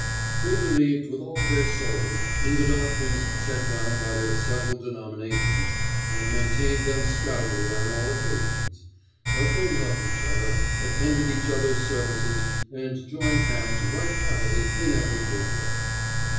They believed with all their souls in the doctrines set down by their several denominations, and maintained them stoutly on all occasions; but they loved each other, attended each other's services, and joined hands right heartily in every good work.